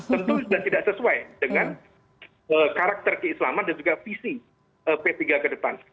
tentu sudah tidak sesuai dengan karakter keislaman dan juga visi p tiga kedepan